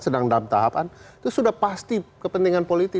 sedang dalam tahapan itu sudah pasti kepentingan politik